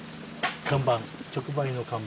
看板直売の看板です。